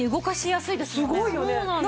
すごいよね。